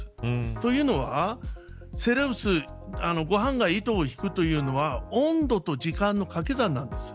というのはご飯が糸をひくというのは温度と時間の掛け算なんです。